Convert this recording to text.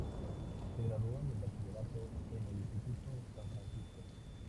Se graduó de Bachillerato en el Instituto San Francisco.